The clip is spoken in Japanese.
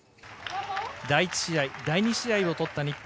第１試合、第２試合を取った日本。